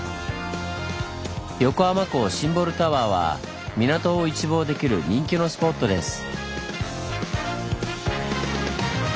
横浜港シンボルタワーは港を一望できる人気のスポットです。